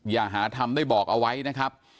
อย่าหาทำได้บอกเอาไว้นะครับ